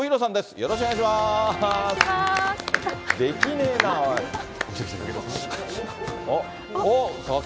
よろしくお願いします。